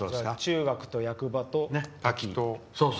中学と役場と滝。